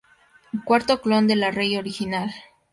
Cuarto clon de la Rei original.